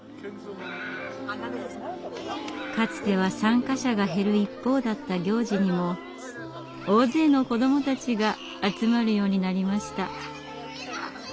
かつては参加者が減る一方だった行事にも大勢の子どもたちが集まるようになりました。